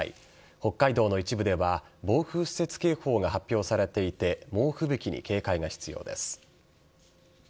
北海道の一部では暴風雪警報が発表されていて猛吹雪に警戒が必要です。